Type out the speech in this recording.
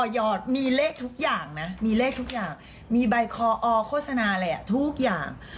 ยอดมีเลขทุกอย่างนะมีเลขทุกอย่างมีใบคออโฆษณาอะไรทุกอย่าง